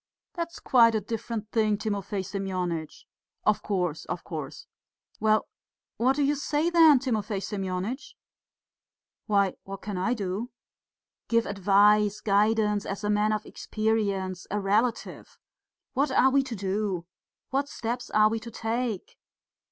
"That's quite a different thing, Timofey Semyonitch." "Of course, of course." "Well, what do you say then, Timofey Semyonitch?" "Why, what can I do?" "Give advice, guidance, as a man of experience, a relative! What are we to do? What steps are we to take?